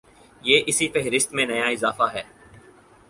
یہ اس فہرست میں نیا اضافہ ہے